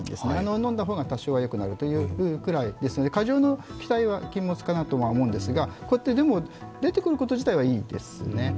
飲んだ方が多少はよくなるというぐらいですので、過剰な期待は禁物かなとは思うんですがでも出てくること自体はいいですね。